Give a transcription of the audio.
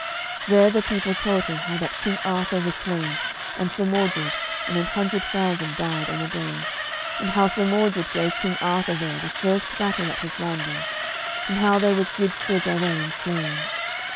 There the people told him how that King Arthur was slain, and Sir Mordred, and an hundred thousand died on a day, and how Sir Mordred gave King Arthur there the first battle at his landing, and how there was good Sir Gawaine slain.